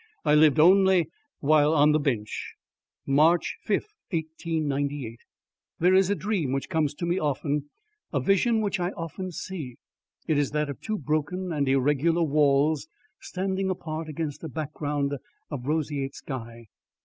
I lived only while on the Bench. March Fifth, 1898. There is a dream which comes to me often: a vision which I often see. It is that of two broken and irregular walls standing apart against a background of roseate sky.